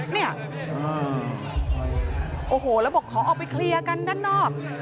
เนี่ยโอ้โหแล้วบอกขอออกไปเคลียร์กันด้านนอก